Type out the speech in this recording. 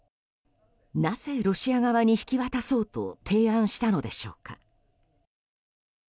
なぜロシア側に引き渡そうと提案したのでしょうか。